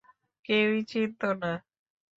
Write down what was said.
কেউই চিনতো না।